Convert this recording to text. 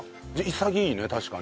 潔いいね確かに。